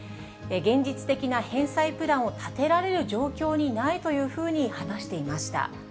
現実的な返済プランを立てられる状況にないというふうに話していました。